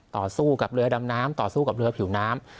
ต่อสู้กับเรือดำน้ำต่อสู้กับเรือผิวน้ำ